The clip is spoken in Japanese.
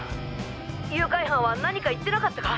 誘拐犯は何か言ってなかったか？